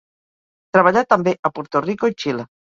Treballà també a Puerto Rico i Xile.